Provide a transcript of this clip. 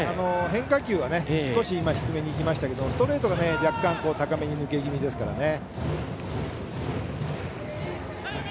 変化球は少し低めにいきましたけどストレートが若干、高めに抜け気味ですからね。